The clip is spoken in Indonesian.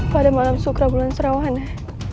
pada malam sukrabulan sarawana